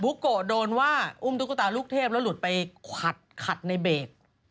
โกะโดนว่าอุ้มตุ๊กตาลูกเทพแล้วหลุดไปขัดในเบรก